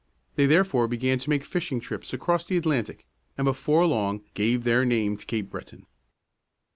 They therefore began to make fishing trips across the Atlantic, and before long gave their name to Cape Breton.